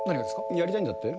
やりたいんだって。